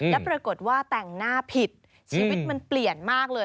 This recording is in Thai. แล้วปรากฏว่าแต่งหน้าผิดชีวิตมันเปลี่ยนมากเลย